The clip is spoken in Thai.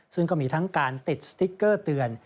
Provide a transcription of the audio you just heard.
ซึ่งก็มีทั้งการติดสติ๊กเกอร์เตือน